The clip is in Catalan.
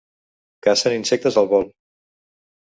Cacen insectes al vol.